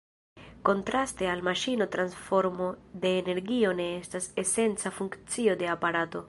Kontraste al maŝino transformo de energio ne estas esenca funkcio de aparato.